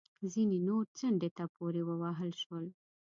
ځینې نور څنډې ته پورې ووهل شول